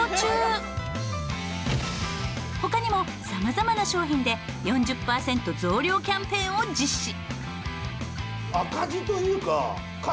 他にもさまざまな商品で４０％増量キャンペーンを実施！